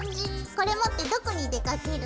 これ持ってどこに出かける？